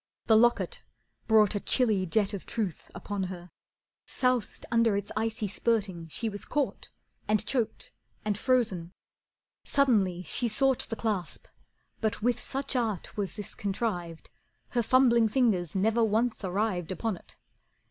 The locket brought A chilly jet of truth upon her, soused Under its icy spurting she was caught, And choked, and frozen. Suddenly she sought The clasp, but with such art was this contrived Her fumbling fingers never once arrived Upon it.